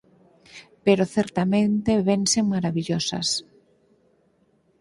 Pero certamente vense marabillosas».